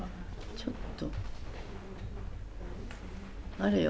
ちょっとあれよ